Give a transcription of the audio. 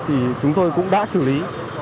thì chúng tôi cũng đã xử lý